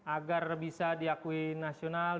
agar bisa diakui nasional